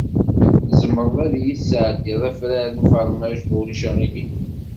Tzemreḍ ad yi-d-tesɛeddiḍ afrar n ufermaj, ma ulac aɣilif?